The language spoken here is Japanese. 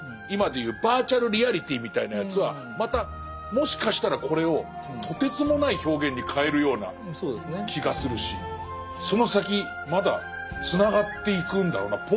今でいうバーチャルリアリティーみたいなやつはまたもしかしたらこれをとてつもない表現に変えるような気がするしその先まだつながっていくんだろうな。